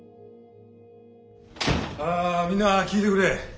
ああみんな聞いてくれ。